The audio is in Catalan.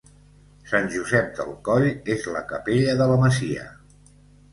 Sant Josep del Coll és la capella de la masia.